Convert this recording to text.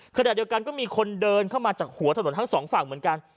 ขณะเดียวกันก็มีคนเดินเข้ามาจากหัวถนนทั้งสองฝั่งเหมือนกัน